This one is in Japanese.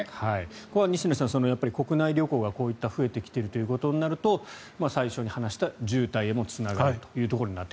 ここは西成さん国内旅行がこうやって増えてきているということになると最初に話した渋滞にもつながると。